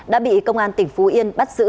đã bị công an tỉnh phú yên bắt giữ